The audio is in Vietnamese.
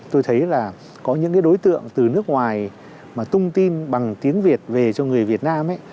tôi thấy là có những cái đối tượng từ nước ngoài mà tung tin bằng tiếng việt về cho người việt nam ấy